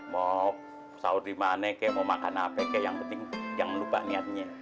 mau saur dimana mau makan apa yang penting jangan lupa niatnya